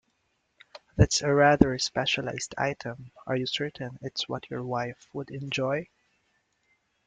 That's a rather specialised item, are you certain it's what your wife would enjoy?